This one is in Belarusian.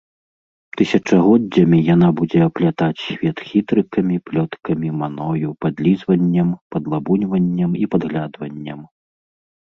Тысячагоддзямі яна будзе аплятаць свет хітрыкамі, плёткамі, маною, падлізваннем, падлабуньваннем і падглядваннем.